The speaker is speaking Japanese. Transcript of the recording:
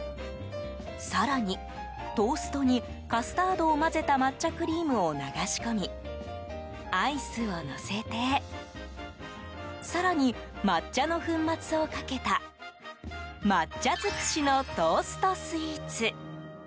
更に、トーストにカスタードを混ぜた抹茶クリームを流し込みアイスをのせて更に、抹茶の粉末をかけた抹茶尽くしのトーストスイーツ。